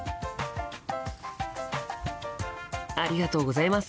ありがとうございます。